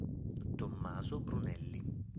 Tommaso Brunelli